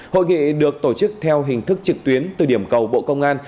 hội nghị được tổ chức theo hình thức trực tuyến từ điểm cầu bộ công an